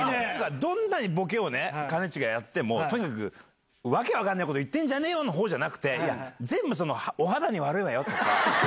どんなにボケをね、かねちーがやっても、とにかく訳分かんないこと言ってんじゃねーよのほうじゃなくて、全部、お肌に悪いわよとか。